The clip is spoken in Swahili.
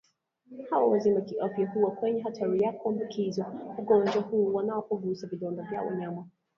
hawa wazima kiafya huwa kwenye hatari ya kuambukizwa ugonjwa huu wanapogusa vidonda vya wanyama